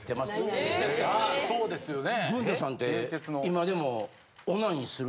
ああそうですよね。